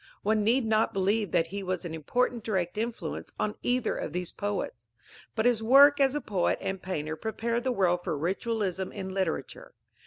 One need not believe that he was an important direct influence on either of these poets. But his work as poet and painter prepared the world for ritualism in literature.